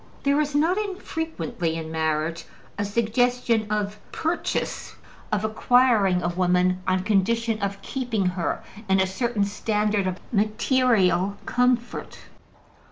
There is not infrequently, in marriage, a suggestion of purchase, of acquiring a woman on condition of keeping her in a certain standard of material comfort.